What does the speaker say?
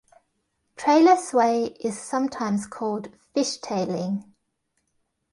Trailer sway is sometimes called "fish tailing".